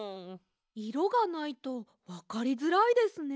いろがないとわかりづらいですね。